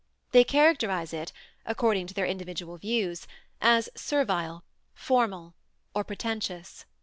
They characterize it, according to their individual views, as "servile," "formal," or "pretentious."